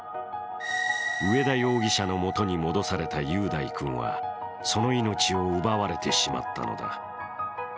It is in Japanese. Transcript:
上田容疑者のもとに戻された雄大君はその命を奪われてしまったのだ。